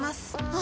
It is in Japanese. あ！